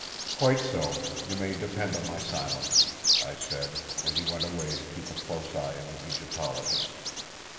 "Quite so! You may depend on my silence!" I said; and he went away to keep a close eye on the Egyptologist.